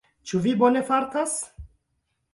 Ĉu vi bone fartas?